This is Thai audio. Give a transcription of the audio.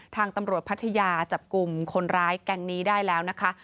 ทางตำรวจพัทยาจับกลุ่มคนร้ายแก๊งนี้ได้แล้วนะคะ